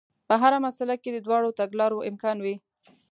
په هره مسئله کې د دواړو تګلارو امکان وي.